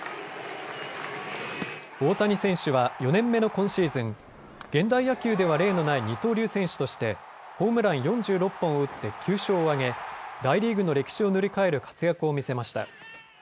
大谷選手は４年目の今シーズン、現代野球では例のない二刀流選手としてホームラン４６本を打って９勝を挙げ、大リーグの歴史を塗り替える活躍を見せました。